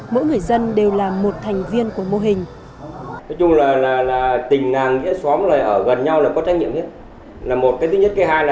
mỗi người dân đều là một thành viên của mô hình